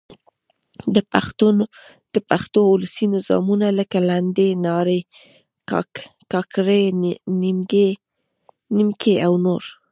د پښتو اولسي نظمونه؛ لکه: لنډۍ، نارې، کاکړۍ، نیمکۍ او نور.